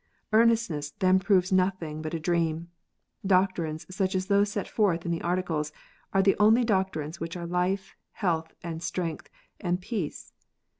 " Earnestness " then proves nothing but a dream. Doctrines such as those set forth in the Articles are the only doctrines which are life, and health, and strength, and peace.